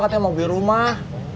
katanya mau beli rumah